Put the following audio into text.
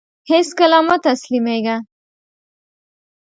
هيڅکله مه تسلميږه !